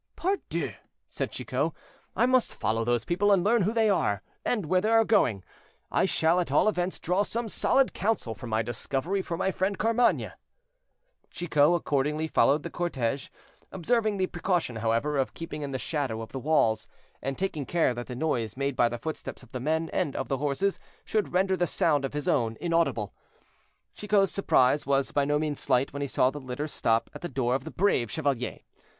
"Pardieu!" said Chicot, "I must follow those people and learn who they are, and where they are going; I shall at all events draw some solid counsel from my discovery for my friend Carmainges." Chicot accordingly followed the cortege, observing the precaution, however, of keeping in the shadow of the walls, and taking care that the noise made by the footsteps of the men and of the horses should render the sound of his own inaudible. Chicot's surprise was by no means slight when he saw the litter stop at the door of the "Brave Chevalier."